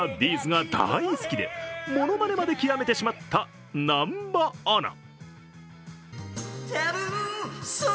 ’ｚが大好きでものまねまで極めてしまった南波アナ。